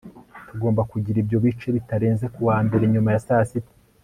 Tugomba kugira ibyo bice bitarenze kuwa mbere nyuma ya saa sita